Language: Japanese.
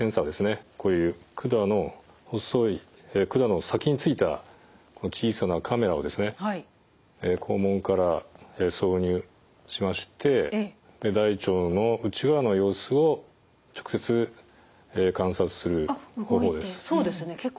こういう管の細い管の先についた小さなカメラを肛門から挿入しまして大腸の内側の様子を直接観察する方法です。